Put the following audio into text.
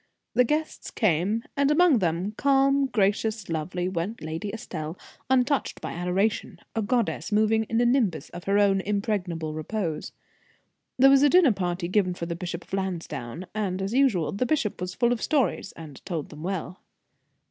The guests came; and among them, calm, gracious, lovely, went Lady Estelle, untouched by adoration, a goddess moving in a nimbus of her own impregnable repose. There was a dinner party given for the Bishop of Lansdown, and, as usual, the bishop was full of stories, and told them well.